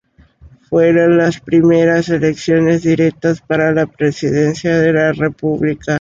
Fueron las primeras elecciones directas para la presidencia de la república.